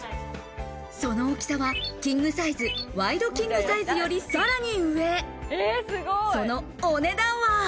その大きさはキングサイズ、ワイドキングサイズよりさらに上、そのお値段は。